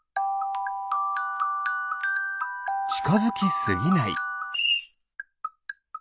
ちかづきすぎない。